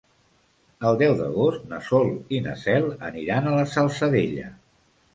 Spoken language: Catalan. El deu d'agost na Sol i na Cel aniran a la Salzadella.